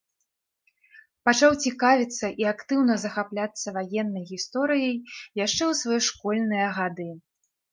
Пачаў цікавіцца і актыўна захапляцца ваеннай гісторыяй яшчэ ў свае школьныя гады.